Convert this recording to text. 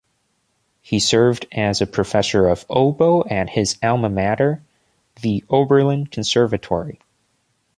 He served as a Professor of Oboe at his alma mater, the Oberlin Conservatory.